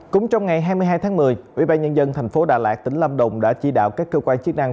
cũng trong ngày hai mươi hai tháng một mươi ubnd tp đà lạt tỉnh lâm đồng đã chỉ đạo các cơ quan chức năng